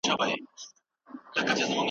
ولي زده کوونکي په خپله ژبه کي اعتماد احساسوي؟